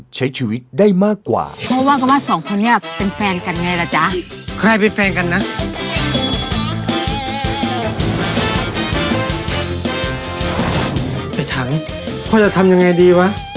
ใช่ไหมพี่